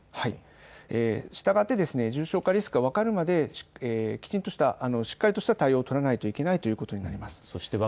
したがって重症化リスクが分かるまできちんとした、しっかりとした対応を取らなければいけないということになります。